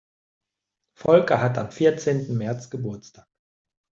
Volker hat am vierzehnten März Geburtstag.